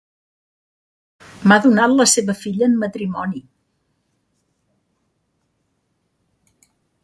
M'ha donat la seva filla en matrimoni.